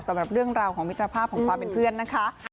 สำหรับเรื่องราวของมิตรภาพของความเป็นเพื่อนนะคะ